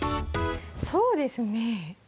そうですね